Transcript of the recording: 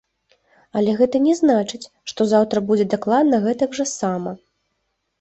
Але гэта не значыць, што заўтра будзе дакладна гэтак жа сама.